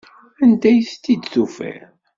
Anda ay t-id-tufiḍ?